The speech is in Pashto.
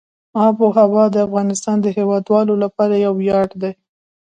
آب وهوا د افغانستان د هیوادوالو لپاره یو ویاړ دی.